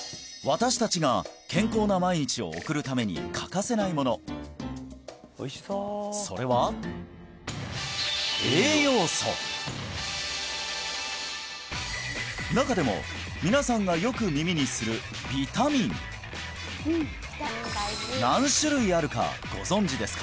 私達が健康な毎日を送るために欠かせないものそれは中でも皆さんがよく耳にするビタミン何種類あるかご存じですか？